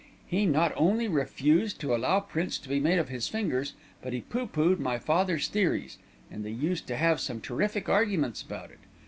He not only refused to allow prints to be made of his fingers, but he pooh poohed my father's theories, and they used to have some terrific arguments about it.